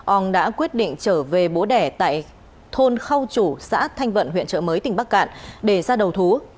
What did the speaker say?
ong đã quyết định trở về bố đẻ tại thôn khao chủ xã thanh vận huyện trợ mới tỉnh bắc cạn để ra đầu thú